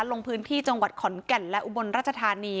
ลงพื้นที่จังหวัดขอนแก่นและอุบลราชธานี